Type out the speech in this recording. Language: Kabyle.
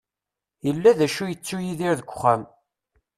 Yella d acu i yettu Yidir deg wexxam.